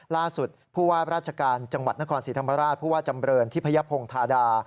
ล่าสุดผู้ว่าราชการจังหวัดนครศรีธรรมราชผู้ว่าจำเรินทิพยพงธาดา